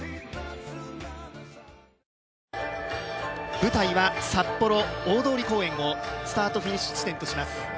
舞台は札幌大通公園をスタートフィニッシュ地点とします。